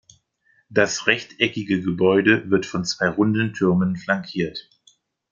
Das rechteckige Gebäude wird von zwei runden Türmen flankiert.